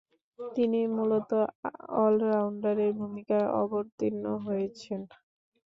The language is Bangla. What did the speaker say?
তিনি মূলতঃ অল-রাউন্ডারের ভূমিকায় অবতীর্ণ হয়েছিলেন।